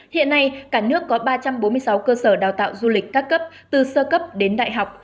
hiện nay cả nước có ba trăm bốn mươi sáu cơ sở đào tạo du lịch các cấp từ sơ cấp đến đại học